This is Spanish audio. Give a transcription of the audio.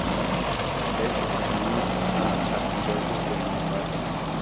Es sufragánea a la Arquidiócesis de Mombasa.